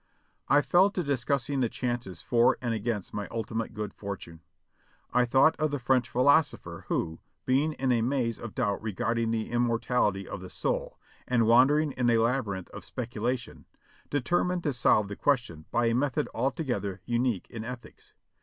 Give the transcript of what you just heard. I fell to discussing the chances for and against my ultimate good fortune. I thought of the French philosopher who, being in a maze of doubt regarding the immortality of the soul, and wander ing a labyrinth of speculation, determined to solve the question by a method altogether unique in ethics.